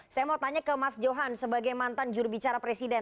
saya mau tanya ke mas johan sebagai mantan jurubicara presiden